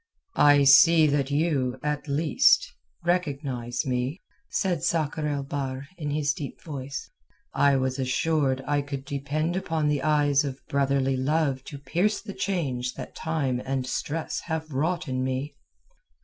"I see that you, at least, recognize me," said Sakr el Bahr in his deep voice. "I was assured I could depend upon the eyes of brotherly love to pierce the change that time and stress have wrought in me."